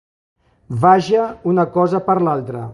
Vaja una cosa per altra.